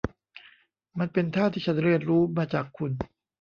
มันเป็นท่าที่ฉันเรียนรู้มาจากคุณ